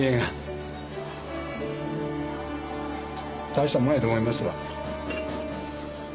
大したもんやと思いますわ。